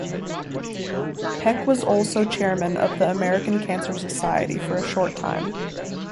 Peck was also chairman of the American Cancer Society for a short time.